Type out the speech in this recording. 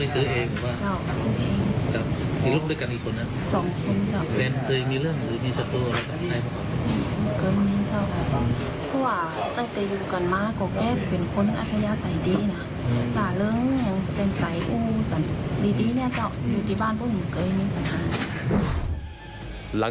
หลังให้ปากคำกับพระเทศงานสอบสวนสพแม่ปิง